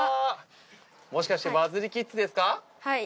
もしかしてバズリキッズですはい、